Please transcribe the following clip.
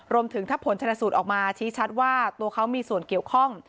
รวมถึงถ้าผลชนสูตรออกมาชี้ชัดว่าตัวเขามีส่วนเกี่ยวข้อง